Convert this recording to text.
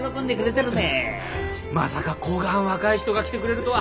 まさかこがん若い人が来てくれるとは。